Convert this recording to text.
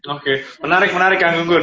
oke menarik menarik kang gunggun